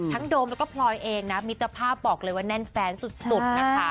โดมแล้วก็พลอยเองนะมิตรภาพบอกเลยว่าแน่นแฟนสุดนะคะ